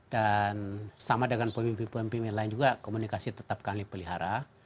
dan sama dengan pemimpin pemimpin lain juga komunikasi tetapkan lih pelihara